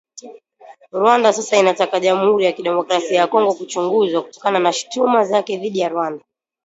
Rwanda sasa inataka Jamuhuri ya Kidemokrasia ya Kongo kuchunguzwa kutokana na shutuma zake dhidi ya Rwanda